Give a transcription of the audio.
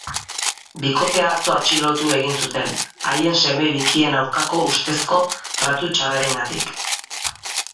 Bikotea atzo atxilotu egin zuten, haien seme bikien aurkako ustezko tratu txarrengatik.